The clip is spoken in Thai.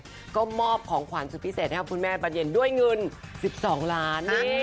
แล้วก็มอบของขวัญสุดพิเศษให้กับคุณแม่บรรเย็นด้วยเงิน๑๒ล้าน